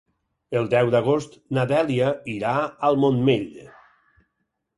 El deu d'agost na Dèlia irà al Montmell.